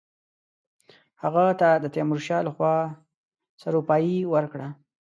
هغه ته د تیمورشاه له خوا سروپايي ورکړه.